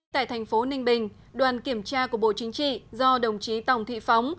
tại thành phố ninh bình đoàn kiểm tra của bộ chính trị do đồng chí tòng thị phóng